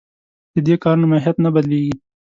د دې کارونو ماهیت نه بدلېږي.